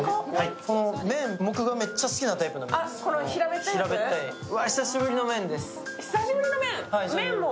麺、僕がめっちゃ好きなタイプの麺です。